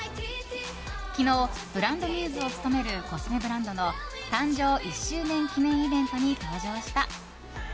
昨日、ブランドミューズを務めるコスメブランドの誕生１周年記念イベントに登場した。